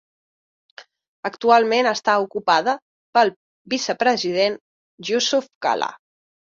Actualment està ocupada pel vicepresident Jusuf Kalla.